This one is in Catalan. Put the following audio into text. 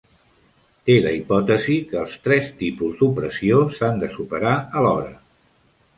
Té la hipòtesi que els tres tipus d'opressió s'han de superar alhora.